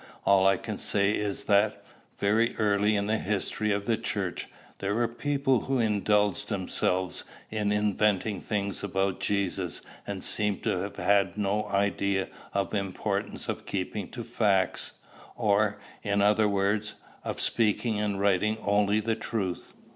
All I can say is, that, very early in the history of the church, there were people who indulged themselves in inventing things about Jesus, and seemed to have had no idea of the importance of keeping to facts, or, in other words, of speaking and writing only the truth.